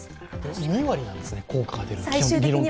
２割なんですね、効果が出るのは。